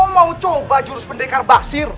mau coba jurus pendekar basir